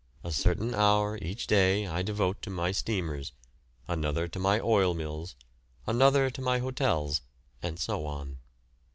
A certain hour each day I devote to my steamers, another to my oil mills, another to my hotels, and so on."